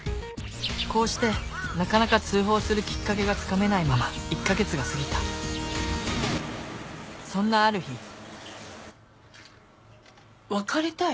こうしてなかなか通報するキッカケがつかめないまま１か月が過ぎたそんなある日別れたい？